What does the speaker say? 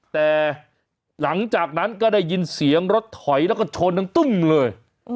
แต่หลังจากนั้นก็ได้ยินเสียงรถถอยแล้วก็ชนทั้งตุ้มเลย